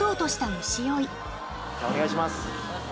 お願いします。